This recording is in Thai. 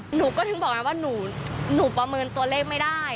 หนูก็ถึงบอกไงว่าหนูประเมินตัวเลขไม่ได้